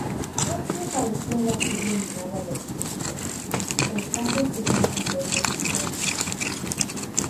Crosby apareció en la serie animada "Los Simpson", prestando su voz en dos episodios.